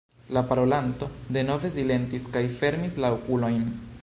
La parolanto denove silentis kaj fermis la okulojn.